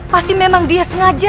pasti memang dia sengaja